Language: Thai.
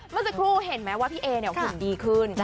เมื่อสักครู่เห็นไหมว่าพี่เอเนี่ยหุ่นดีขึ้น